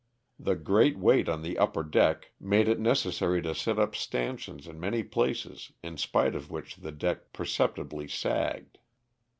The great weight on the upper deck made it necessary to set up stanchions in many places in spite of which the deck perceptibly sagged.